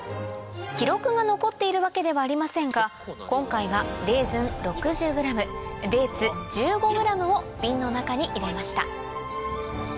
記録が残っているわけではありませんが今回はレーズン６０ｇデーツ１５ｇを瓶の中に入れました